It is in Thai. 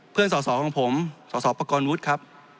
เพื่อนส่อของผมส่อปกรณ์วุฒิครับ